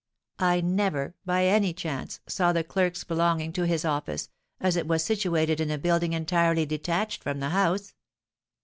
I never, by any chance, saw the clerks belonging to his office, as it was situated in a building entirely detached from the house."